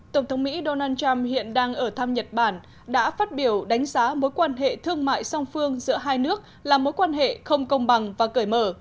tổng thống mỹ donald trump hiện đang ở thăm nhật bản đã phát biểu đánh giá mối quan hệ thương mại song phương giữa hai nước là mối quan hệ không công bằng và cởi mở